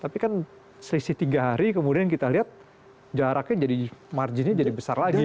tapi kan selisih tiga hari kemudian kita lihat jaraknya jadi marginnya jadi besar lagi